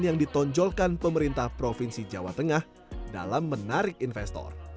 yang ditonjolkan pemerintah provinsi jawa tengah dalam menarik investor